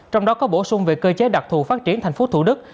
trong đó có bổ sung về cơ chế đặc thù phát triển tp thủ đức